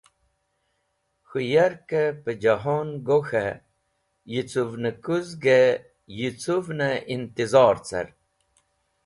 K̃hũ yarkẽ pẽjehon (public) go k̃hẽ yicũvnẽkuzgẽ yicũvnẽ intizor car.